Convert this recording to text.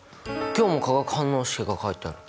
今日も化学反応式が書いてある。